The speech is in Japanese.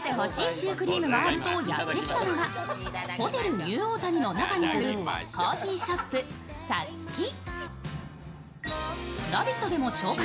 シュークリームがあるとやってきたのはホテルニューオータニの中にあるコーヒーショップ、ＳＡＴＳＵＫＩ。